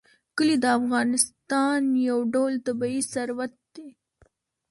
کلي د افغانستان یو ډول طبعي ثروت دی.